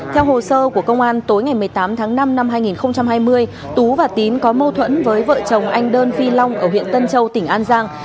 theo hồ sơ của công an tối ngày một mươi tám tháng năm năm hai nghìn hai mươi tú và tín có mâu thuẫn với vợ chồng anh đơn phi long ở huyện tân châu tỉnh an giang